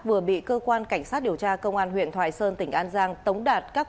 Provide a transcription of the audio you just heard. vừa bị cơ quan cảnh sát điều tra công an huyện thoài sơn tỉnh an giang